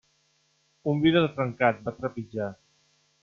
Un vidre trencat, va trepitjar.